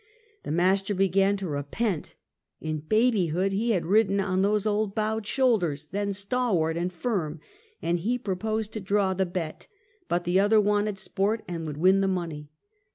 The master began to repent. In babyhood he had ridden on those old bowed shoulders, then stalwart and firm, and he proposed to draw the bet, but the other wanted sport and would win the money.